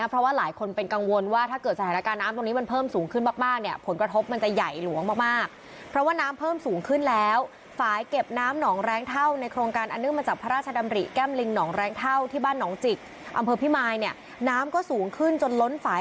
เพราะว่าหลายคนเป็นกังวลว่า